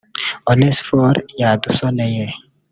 Onesphore Yadusoneye